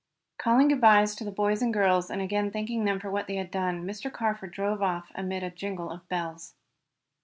Calling good byes to the boys and girls, and again thanking them for what they had done, Mr. Carford drove off amid a jingle of bells.